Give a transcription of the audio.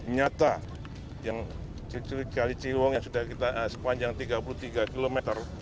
nyata yang ciliwung yang sepanjang tiga puluh tiga km